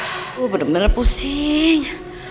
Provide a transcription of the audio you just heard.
aku bener bener pusing